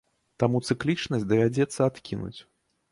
Таму цыклічнасць давядзецца адкінуць.